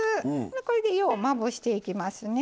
これでようまぶしていきますね。